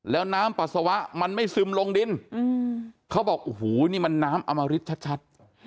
แล้วน้ำปัสสาวะมันไม่ซึมลงดินเขาบอกโอ้โหนี่มันน้ำอมริตชัด